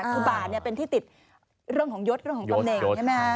คือบาทเป็นที่ติดเรื่องของยศเรื่องของตำแหน่งใช่ไหมฮะ